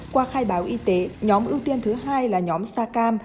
qua khai báo y tế nhóm ưu tiên thứ hai là nhóm sacam